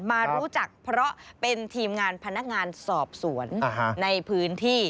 มารู้จักเพราะเป็นทีมงานพนักงานสอบสวนในพื้นที่